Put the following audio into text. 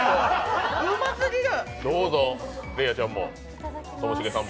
うますぎる！